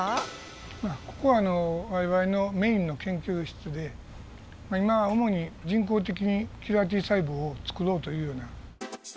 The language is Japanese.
ここは我々のメインの研究室で今は主に人工的にキラーＴ細胞をつくろうというような。